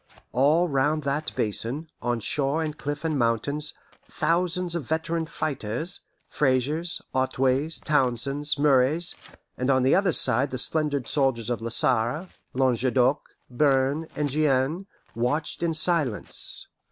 All round that basin, on shore and cliff and mountains, thousands of veteran fighters Fraser's, Otway's, Townsend's, Murray's; and on the other side the splendid soldiers of La Sarre, Languedoc, Bearn, and Guienne watched in silence.